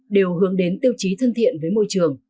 đều hướng đến tiêu chí thân thiện với môi trường